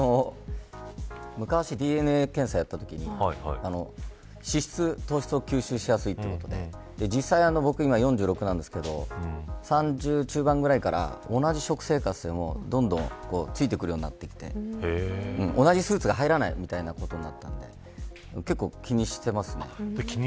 昔、ＤＮＡ検査をしたとき脂質、糖質を吸収しやすいということで実際、僕４６ですが３０中盤くらいから同じ食生活でも、どんどんついてくるようになってきて同じスーツが入らないということになったので結構、気にしています。